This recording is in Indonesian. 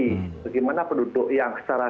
bagaimana penduduk yang secara